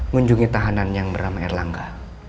munjungi tahanan yang berama erlangga